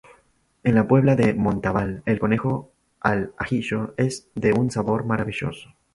En La Puebla de Montalbán el conejo al ajillo es de un sabor maravilloso.